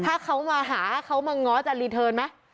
ถ้าเขามาหาเขามาง้อจะรีเทิร์นไหม